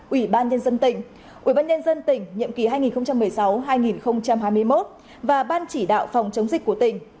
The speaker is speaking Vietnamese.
ủy ban nhân dân tỉnh ủy ban nhân dân tỉnh nhiệm kỳ hai nghìn một mươi sáu hai nghìn hai mươi một và ban chỉ đạo phòng chống dịch của tỉnh